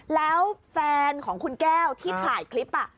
แล้วแฟนของคุณแก้วที่ถ่ายคลิป